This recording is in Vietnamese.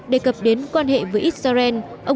đề cập đến quan hệ tốt với nhiều nước kể cả nga và trung quốc